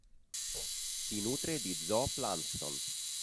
Si nutre di zooplancton.